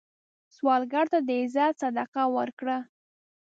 سوالګر ته د عزت صدقه ورکړه